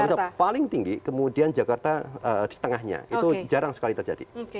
ketiga tagar yang paling tinggi kemudian jakarta di setengahnya itu jarang sekali terjadi